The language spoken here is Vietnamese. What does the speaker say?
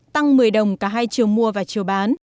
tăng một mươi đồng cả hai chiều mua và chiều bán